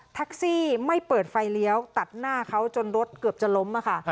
แท็กซี่ไม่เปิดไฟเลี้ยวตัดหน้าเขาจนรถเกือบจะล้มค่ะ